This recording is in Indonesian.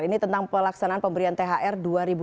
ini tentang pelaksanaan pemberian thr dua ribu dua puluh